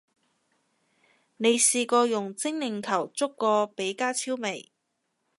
你試過用精靈球捉過比加超未？